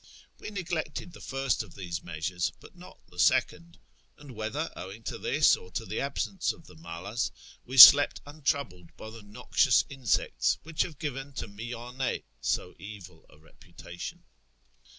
We neglected the first of these measures, but not the second ; and whether owing to this, or to the absence of the malas, we slept untroubled by the noxious insects which have given to Miyane so evil a reputation.